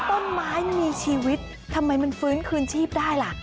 ต้นไม้มันมีชีวิตทำไมมันฟื้นคืนชีพได้ล่ะ